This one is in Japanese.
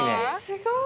すごい！